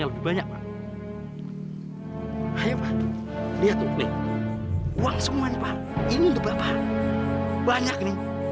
mau tanya siapa